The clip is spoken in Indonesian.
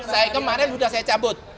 saya kemarin sudah saya cabut